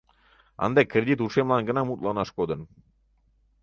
Ынде кредит ушемлан гына мутланаш кодын.